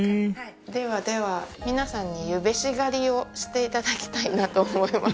ではでは皆さんに柚餅子狩りをして頂きたいなと思います。